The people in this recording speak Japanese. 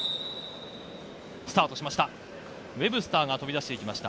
スタートしました。